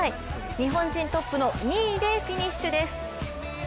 日本人トップの２位でフィニッシュです。